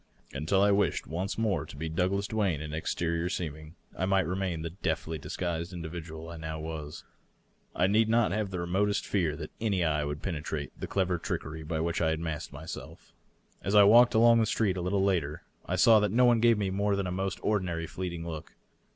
Until I wished once more to be Douglas Duane in ex terior seeming, I might remain the deftly disguised individual I now was. I need not have the remotest fear that any eye would penetrate the clever trickery by which I had masked myself. As I walked along the street, a little later, I saw that no one gave me more than the most or dinary fleeting look.